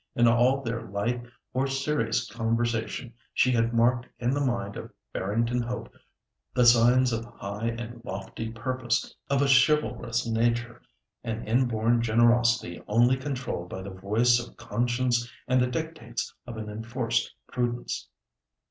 In all their light or serious conversation, she had marked in the mind of Barrington Hope the signs of high and lofty purpose, of a chivalrous nature, an inborn generosity only controlled by the voice of conscience and the dictates of an enforced prudence.